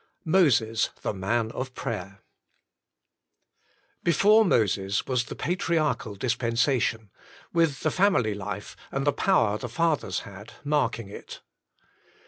iV] MOSES, THE MAN OP PRAYER Before Moses was the patriarchal dispensation, with the family life, and the power the fathers had, marking it.